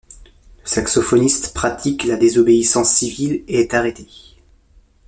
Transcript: Le saxophoniste pratique la désobéissance civile et est arrêté.